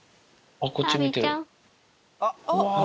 あっこっち見てる。